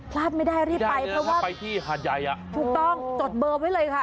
พลาดไม่ได้เร็วไปเพราะว่าถูกต้องจดเบอร์ไว้เลยค่ะ